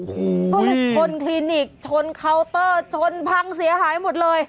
โอ้โหก็เลยชนคลินิกชนเคาน์เตอร์จนพังเสียหายหมดเลย